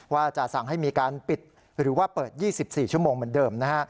ว่าจะสั่งให้มีการปิดหรือว่าเปิด๒๔ชั่วโมงเหมือนเดิมนะฮะ